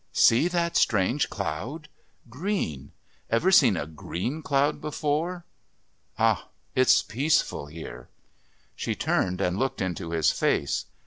"See that strange cloud? Green. Ever seen a green cloud before? Ah, it's peaceful here." She turned and looked into his face.